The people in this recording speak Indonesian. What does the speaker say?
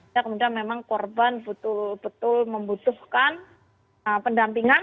ya kemudian memang korban betul betul membutuhkan pendampingan